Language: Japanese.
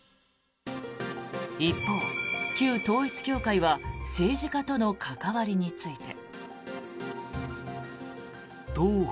一方、旧統一教会は政治家との関わりについて。